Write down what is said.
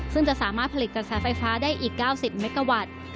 ซึ่งจะสามารถผลิตกระแสไฟฟ้าได้อีก๙๐เมกาวัตต์